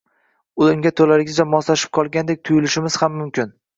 Unga to’laligicha moslashib qolgandek tuyulishimiz ham mumkin